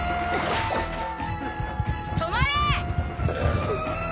止まれ！